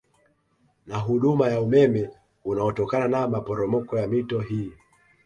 Na huduma ya umeme unaotokana na maporomoko ya mito hii